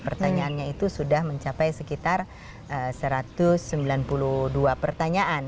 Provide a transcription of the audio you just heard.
pertanyaannya itu sudah mencapai sekitar satu ratus sembilan puluh dua pertanyaan